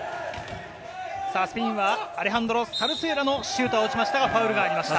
スペインはアレハンドロ・サルスエラのシュートは落ちましたがファウルがありました。